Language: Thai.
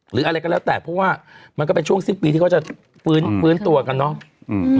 หรืออะไรก็แล้วแต่เพราะว่ามันก็เป็นช่วงสิ้นปีที่เขาจะฟื้นฟื้นตัวกันเนาะ